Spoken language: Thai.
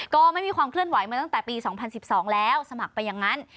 ก็ไม่มีความเคลื่อนไหวมาตั้งแต่ปี๒๐๑๒แล้วสมัครไปอย่างนั้น